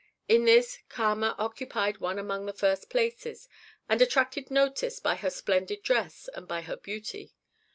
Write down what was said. In this Kama occupied one among the first places, and attracted notice by her splendid dress and by her beauty.